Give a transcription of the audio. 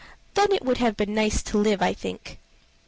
Then it would have been nice to live, I think."